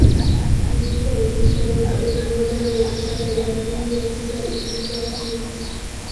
Ilipoanzishwa mwaka elfu moja mia tisa thelathini na sita iliitwa Queens